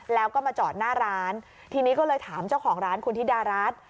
แล้วก็มาจอดหน้าร้านทีนี้ก็เลยถามเจ้าของร้านคุณธิดารัฐ